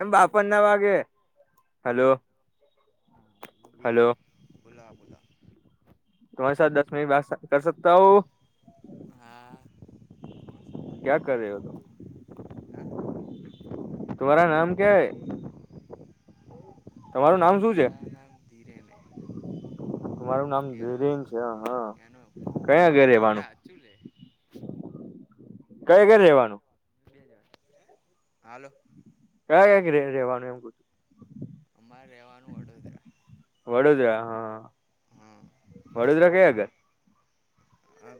એમ બાપા ન ના વાગે હલો હલો તમારી સાથ દસ મિનિટ બાત કર સકતા હું ક્યા કરે તો તમારા નામ ક્યા હૈ તમારું નામ શું છે મારું નામ ધીરેન છે હા કઈ આગળ રહેેવાનું કઈઆગળ રેવાનું હાલો ક્યાં ક્યા રેવાનું એમ કું અમારે રહેવાનું વડોદરા વડોદરા હા વડોદરા કયા આગર અ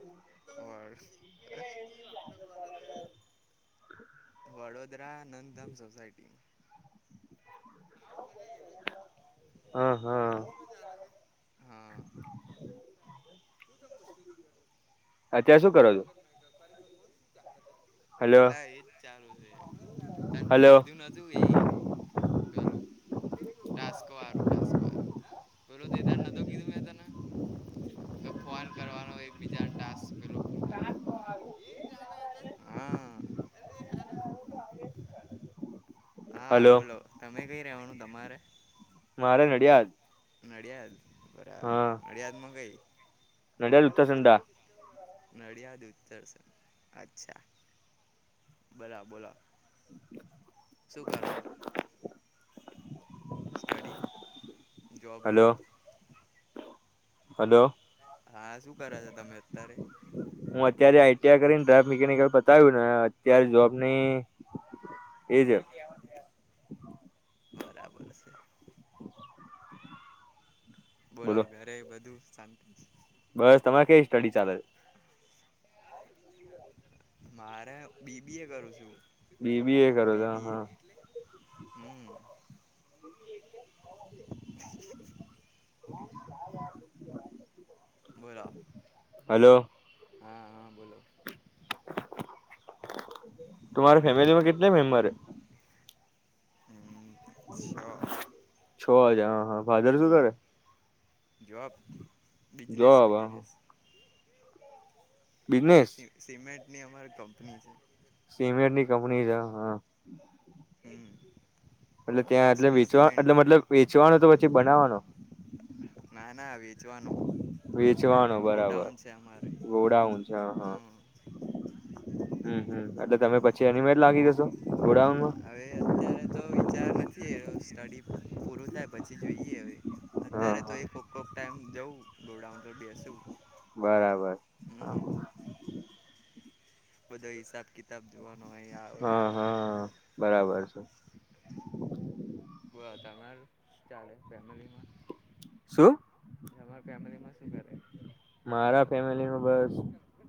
અર [inaudible] વડોદરા નંદધામ સોસાયટી હા [inaudible] અત્યારે શું કરો છો? અલા એજ ચાલુ છે, તન કીધું નતું એ. ટાસ્ક વારું ટાસ્ક વારું. પેલો તો એ દાર નતો કીધું મે તને કે ફોન કરવાનો એક બીજા ટાસ્ક પેલો એ ચાલે [inaudible] હા બોલો. રવાનું તમારે મારે નડિયાદ. નડિયાદ બરાબર નડિયાદમાં કઈ? [inaudible] નડિયાદ ઉત્તર સે અચછા બરા બોલો શું કરો? સ્ટડી જોબ વોબ. હલો. હું અત્યારે આઈ ટી આર કરીને ડ્રાફ્ટ [inaudible] બતાવ્યું ને અત્યારે જોબ ની એ છે બરાબર છે. બોલો ઘરે બધું શાંતિ સી? બસ તમારે કેવી સ્ટડી ચાલે છે? મારે બી બી એ કરું છું. બી બી એ કરો તો હા. બોલો. હલો. હા હા બોલો. તમારે ફેમિલીમે કિતને મેમ્બર હૈ? હમ્મ, છો. છો હજા હા હા. ફાધર શું કરે? Job business business. એ સિ-સિમેન્ટની અમારી કંપની છે. સિમેન્ટની કંપની છે હા. હમ્મ. એટલે ત્યાં એટલે વેચવા એટલે મતલબ વેચવાનો તો પછી બનાવાનો? જવાનું વેચવાનો બરાબર ગોડાઉન છે હા હા. હમ્મ હમ્મ એટલે તમે પછી એની મે જ લાગી જસો? હવે અત્યારે તો વિચાર નથી એયો સ્ટડી પૂરું થાય પછી જોઈએ હવે. અત્યારે તો એ કોકકો ટાઈમ જઉું ગોડાઉન પર બેસું. બરાબર હા. બધો હિસાબ કિતાબ જોવાનો હોય. હા હા બરાબર છે. બોલો તમારું શું ચાલે ફેમલીમાં? શું? એ અમાર ફેમિલી માં શું કરે? મારા ફેમિલી માં બસ,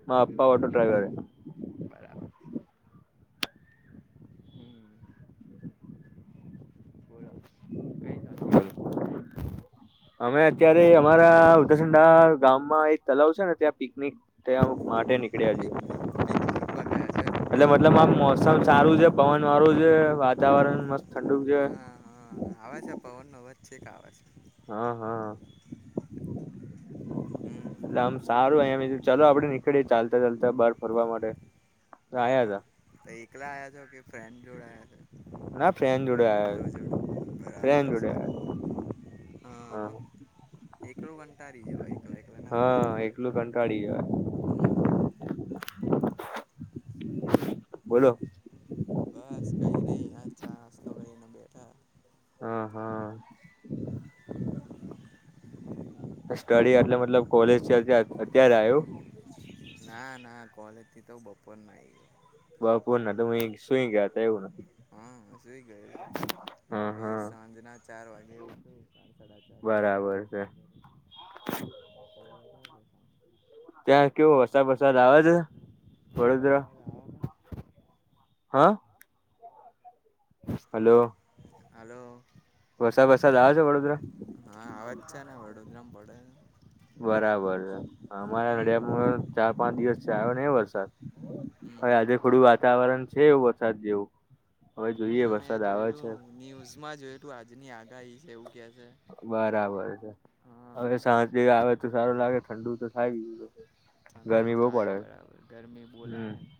મારા અપ્પા ઓટો ડ્રાઈવર હૈ. બોલો કઈ છો [inaudible] અમે અત્યારે અમારા ઉતસડા ગામમાં એક તલાવ છે ને ત્યાં પિકનિક ત્યાં માટ ટે નીકળ્યા છે. એટલે મતલબ આ મોસમ સારું છે પવન વાળું છે વાતાવરણ મસ્ત ઠંડુક છે. આવે છે? પવન નો અવાજ આવે છે. હા હા. હમ. એટલે આમ સારું. એમ ચાલો, આપડે નીકળી ચાલતા ચાલતા બહાર ફરવા માટે. કાયા ના. તો એકલા આયા છો કે ફ્રેન્ડ જોડે આયા છે? ભાઈ બંધો જડું બરાબર છે. હા. એકલો કંટાળી જવાય એટલે. હા, એકલું કંટાળી જવાય. બોલો. બસ, કંઈ નહીં. ચા-નાસ્તો કરીને બેઠા. હા હા. સ્ટડી એટલે મતલબ કોલેજ અત્યારે આવ્યું? ક્વલિટી તો બપોરના ય. બપોર ના તમે સુઈ ગયા હતા એવું? હા, સુઈ ગયો. કંઈ સાંજના ચાર વાગે, એવું છું. ચાર-સાડા ચાર વાગે ચા- નાસ્તો ઘરે. બ [unintelligible] ત્યાં કેવું? વરસાદ વરસાદ આવે છે વડોદરા? હા. હલો. હલો! હા, આવે છે. ના, વડુંલા પડે. બરાબર છે. અમારા નડિયાદમાં ચાર-પાંચ દિવસ છે આવ્યો ને વરસાદ. હવે આજે થોડું વાતાવરણ છે, એવું વરસાદ જેવું. હમ, અમે જોયેલું. ન્યુઝમાં જોયલું, આજની આગાહી છે એવું. બરાબર છે. હવે સાંજે આવે, તો સારું લાગે. ઠંડુ તો થાય. ઠંડુ થાય, બરાબર. ગરમી બહુ લાગેને.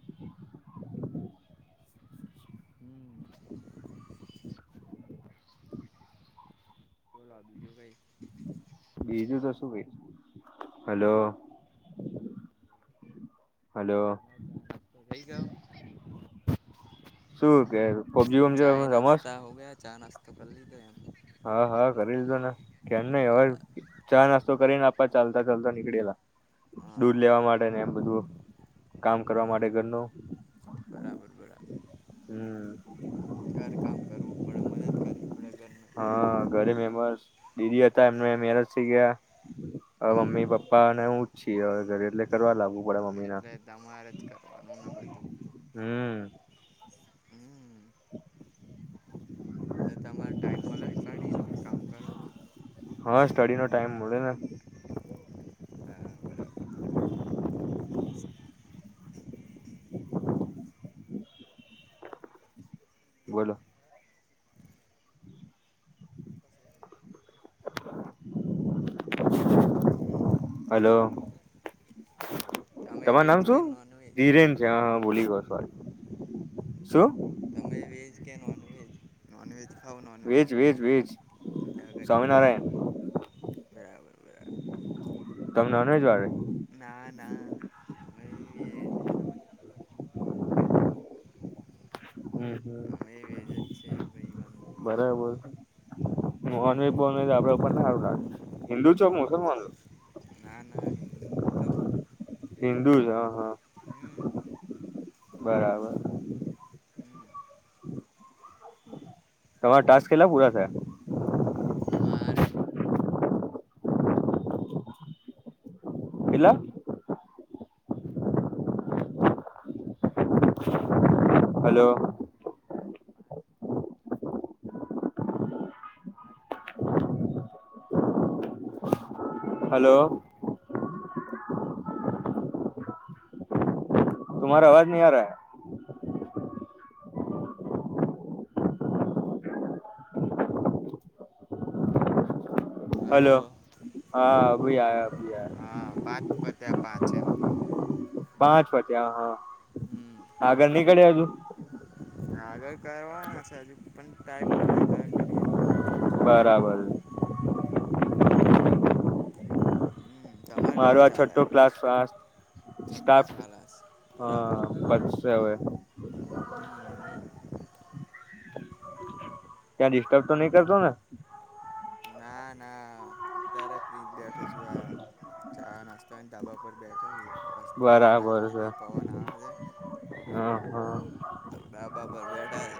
[unintelligible] હમ્ [unintelligible] બોલ, બીજું કંઈ? બીજું તો શું કે? હલો. હ તો થઈ જાાવ [unintelligible] શું કે, પબજી-બબજી રમે છે મસ્ત? ચા-નાસ્તો કરે છે, કંઈ નહિ. દૂધ લેવા માટે ને, એમ બધું કામ કરવા માટે ઘરનું. બરાબર, બરાબર. ઘર કામ કરવું પડે, મદદ કરવી પડે. હા, ઘરે મેમર, દીદી હતા. એમને મેરજ થઇ ગયા. હ, મમ્મી, પપ્પા અને હું. ઘરે એટલે કરવા લાગવુ પડે. મમ્મી ને. હમ. [unintelligible] તો તમારે ટાઈમ અલગ કાઢી ને કામ કરો, તો. બોલો. હ. [unintelligible] હમ, બોલો, બોલો. તમાર નામ શું? ધીરેન છે? હ, હ, ભુલી ગયો. સોરી, શું? તમે વેજ કે નોનવેેજ? નોનવેજ? ખાાવ નોન વવેજ મચ્છીડાા ઘરી [unintelligible] બરાબર, બરાબર. ના, ના. હમ હમ બરાબર. મોહનભાઈ પન આપડે ઉપરરુ હિન્દુ છો કે મુસલમાન? ના ના હિન્દુ તો હમ. બરાબર. તમારા ટાસ્ક કેલા પૂરા થયા? મારે? કેટલા? હલો. [inaudible] હલો. તુમારા આવાજ નહી આરહ હલો. હા અભી આ અભી આ હા પાંચ પત્યા પાંચ એમ પાંચ પત્યા, હ હા આગળ નીકળ્યા આગળ કરવાના છે, હજુ પણ ટાઈમ મળે તો કરી બરાબર. મારો આ છઠ્ઠો ક્લાસ પા હા બશે હવે [inaudible] ક્યાં ડિસ્ટર્બ તો નહી કરતો ને? અત્યારે ક બેઠ છ આ ચા નાસ્તોને ધાબા પર બેઠો ગરમી લાગતી હતી પવન આવે છે હ હ તો ધાબા પર બેઠા છે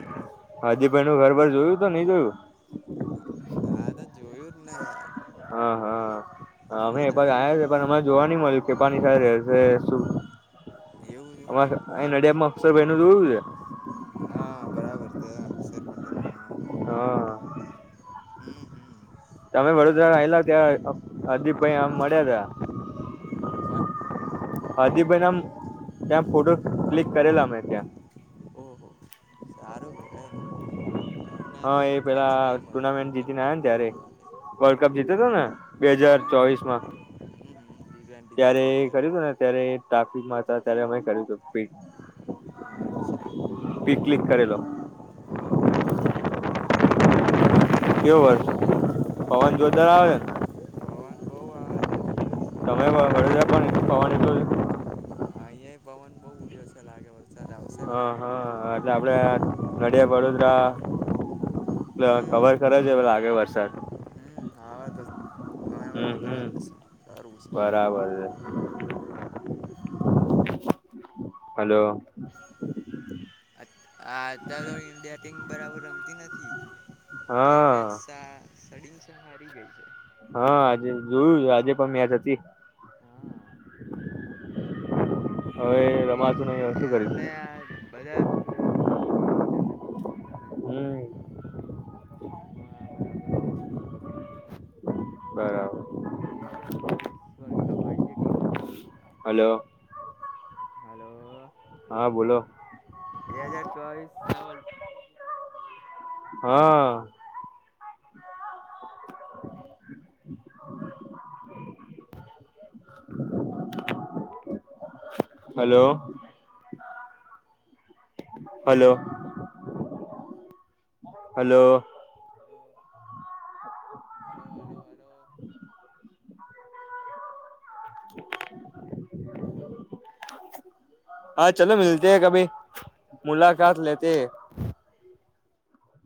જોયું તો નહી જોયું હા તો જોયું જ ને યાર હા હા અમે એ પછ આ્યા છે પણ અમારે જોવા નઈ મળ્યું કે પાણી સાય રહે છે શ એના ડેમમાં અર એ દ છે હા બરાબર ત શે ફટે હા. હમ હમ. તમે વડોદરા આલા ત્યાં હારદીપ ભાઈ આમ મળ્યા હતા. કોન? હાજીભાઈ નામ ત્યાં ફોટો ક્લિક કરેલા અમે ત્યાં [inaudible] હા એ પેલા ટુર્નામેન્ટ જીતીને આવ્યા ને ત્યારે વર્લ્ડ કપ જીતો હતો, ને બે હજાર ચોવીસ માં ત્યારે કર્યુંતું ને ત્યારે ટ્રાફિકમાં ત્યારે અ કર્યું હતું પ પ ક્લિક કરેલો [inaudible] કેવ વર્ષ પવન જોદાર આવે તમે વડદરા પણ એટલું પવન એટલ હા. હા એટલે આપડે નડિયા વડોદરા એટ કવર ખ છે લાગે વરસાદ આવા તો હમ હમ બરાબર. [inaudible] હલો. હ અત્યારે તો ઇન્ડિયા ટીમ બરાબર રમતી નથી બે મેચ સડીંગસા હારી ગઈ છે. હા, આજે જોયું આજે પણ મેચ હતી. હવે રમાજ નહી અમને આ બધા પ્લેયરોને દીધાને બીજા બીધાને. બરાબ બે હજાર ચોવીસ વર્લ્ડ કપ વાળી જે ટીમ હતી હાલો, બે હજાર ચોવીસલ હા. [inaudible] હાલો. હાલો. હલોલો હાલો. હાલો હાલો હાલો. [inaudible] હા ચલો મીલતે હે કભી, મુલાકાત લેતે હૈ.